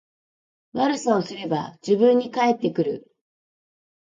悪さをすれば自分に返ってくる